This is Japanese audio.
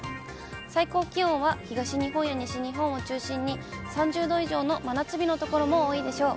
最高気温は、東日本や西日本を中心に、３０度以上の真夏日の所も多いでしょう。